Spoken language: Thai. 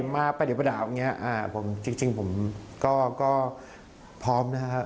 มาปะเดี๋ยวประดาวอย่างนี้จริงผมก็พร้อมนะครับ